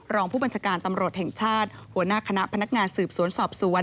รองผู้บัญชาการตำรวจแห่งชาติหัวหน้าคณะพนักงานสืบสวนสอบสวน